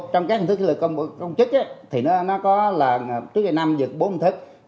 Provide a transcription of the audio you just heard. trong các hình thức luật công chức thì nó có là trước đây năm vật bốn hình thức